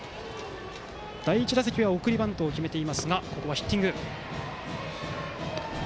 第１打席では送りバントを決めていますがここはヒッティング。